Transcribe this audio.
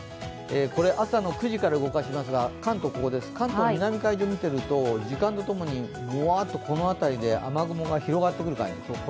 これ、朝の９時から動かしますが関東、南海上見てみますと時間とともにモワッとこの辺りで雨雲が広がってくる感じ。